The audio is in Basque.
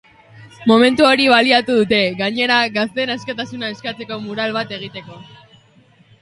Momentu hori baliatu dute, gainera, gazteen askatasuna eskatzeko mural bat egiteko.